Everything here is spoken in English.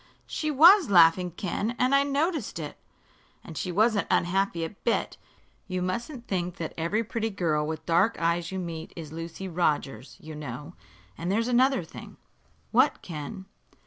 She was laughing, Ken, I noticed it." "And she wasn't unhappy a bit. You mustn't think that every pretty girl with dark eyes you meet is Lucy Rogers, you know. And there's another thing." "What, Ken?"